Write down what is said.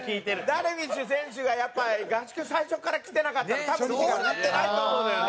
ダルビッシュ選手がやっぱ合宿最初から来てなかったら多分こうなってないと思うのよね。